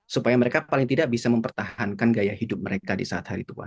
supaya mereka paling tidak bisa mempertahankan gaya hidup mereka di saat hari tua